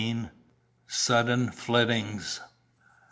SUDDEN FLITTINGS.